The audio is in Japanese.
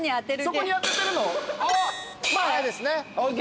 そこに当ててるの？ＯＫ。